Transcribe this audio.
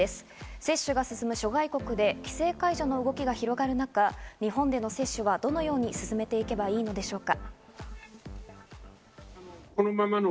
接種が進む諸外国で規制解除の動きが広がる中、日本での接種はどのように進めていけばいいのでしょうか。